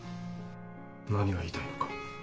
何が言いたいのか。